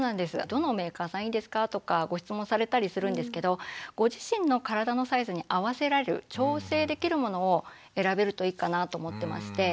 「どのメーカーさんいいですか？」とかご質問されたりするんですけどご自身の体のサイズに合わせられる調整できるものを選べるといいかなと思ってまして。